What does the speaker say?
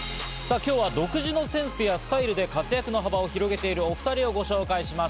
今日は独自のセンスやスタイルで活躍の幅を広げている、お２人をご紹介します。